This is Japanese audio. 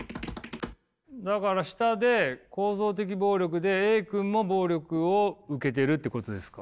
だから下で構造的暴力でＡ君も暴力を受けてるってことですか。